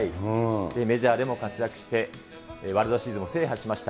メジャーでも活躍して、ワールドシリーズも制覇しました。